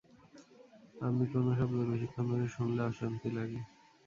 আমি কোনো শব্দ বেশিক্ষণ ধরে শুনলে অশান্তি লাগে।